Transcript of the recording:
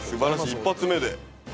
１発目で。